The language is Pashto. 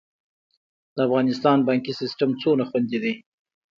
د افغانستان بانکي سیستم څومره خوندي دی؟